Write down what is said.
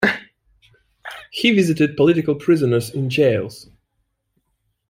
He visited political prisoners in jails.